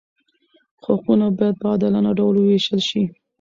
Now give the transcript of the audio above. حقونه باید په عادلانه ډول وویشل شي.